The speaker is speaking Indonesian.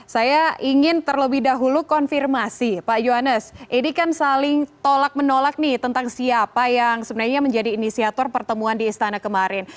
saya ingin terlebih dahulu konfirmasi pak yohanes ini kan saling tolak menolak nih tentang siapa yang sebenarnya menjadi inisiator pertemuan di istana kemarin